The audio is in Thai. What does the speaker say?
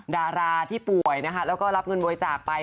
ดาราที่ป่วยแล้วก็รับเงินโบยจากไป